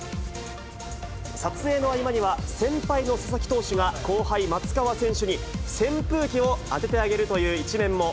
撮影の合間には、先輩の佐々木投手が後輩、松川選手に、扇風機を当ててあげるという一面も。